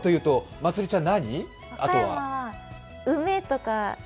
まつりちゃん